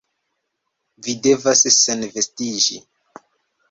Vi devas senvestiĝi...